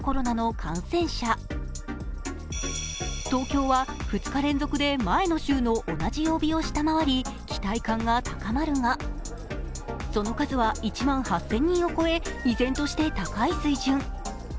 東京は２日連続で前の週の同じ曜日を下回り期待感が高まるが、その数は１万８０００人を超え、依然として高い水準。